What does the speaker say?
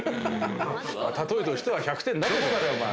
たとえとしては１００点だけれど。